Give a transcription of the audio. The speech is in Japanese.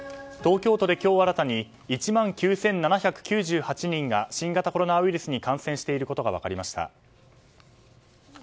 東京都で今日新たに１万９７９８人が新型コロナウイルスに感染していることが分かりました。